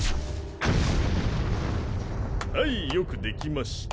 はいよくできました。